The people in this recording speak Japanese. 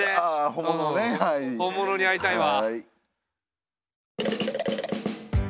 本物に会いたいわ。